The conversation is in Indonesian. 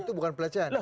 itu bukan pelecehan